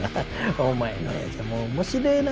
お前の親父も面白えな。